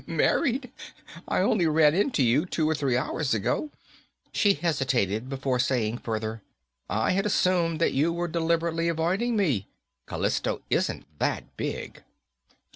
"Married! I only ran into you two or three hours ago." She hesitated before saying further, "I had assumed that you were deliberately avoiding me. Callisto isn't that big."